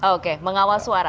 oke mengawal suara